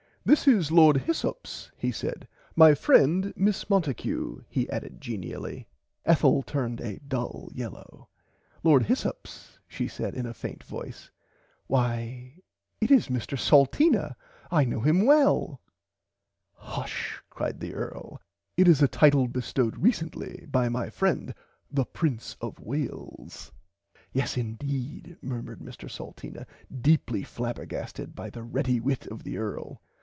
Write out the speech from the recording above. This is Lord Hyssops he said my friend Miss Monticue he added genially. Ethel turned a dull yellaw. Lord Hyssops she said in a faint voice why it is Mr Salteena I know him well. [Pg 83] Hush cried the Earl it is a title bestowd recently by my friend the Prince of Wales. Yes indeed murmered Mr Salteena deeply flabbergasted by the ready wit of the earl.